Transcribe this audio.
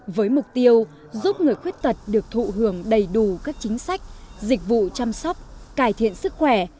với mục tiêu giúp người khuyết tật được thụ hưởng đầy đủ các chính sách dịch vụ chăm sóc cải thiện sức khỏe